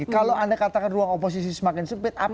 kalau anda katakan ruang oposisi semakin sempit